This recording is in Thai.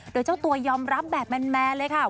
โดยเจ้าตัวยอมรับแบบแมนเลยค่ะ